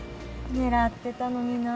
狙ってたのにな。